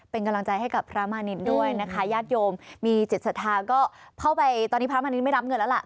เป็นกำลังใจให้กับพระมณิชย์ด้วยนะคะยาชโยมมีจิตสัทธาไม่รับเงินแล้วล่ะค่ะ